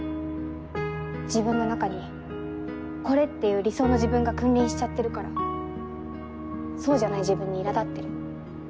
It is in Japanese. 自分の中にこれ！っていう理想の自分が君臨しちゃってるからそうじゃない自分にいら立ってる。